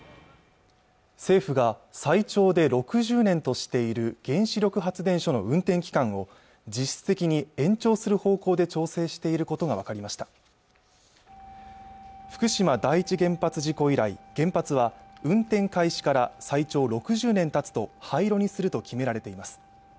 政府が最長で６０年としている原子力発電所の運転期間を実質的に延長する方向で調整していることが分かりました福島第１原発事故以来原発は運転開始から最長６０年たつと廃炉にすると決められています